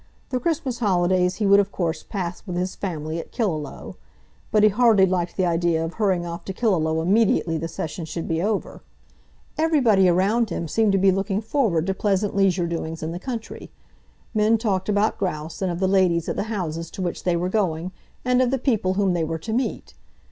The Christmas holidays he would of course pass with his family at Killaloe, but he hardly liked the idea of hurrying off to Killaloe immediately the session should be over. Everybody around him seemed to be looking forward to pleasant leisure doings in the country. Men talked about grouse, and of the ladies at the houses to which they were going and of the people whom they were to meet.